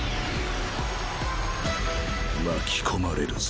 巻き込まれるぞ。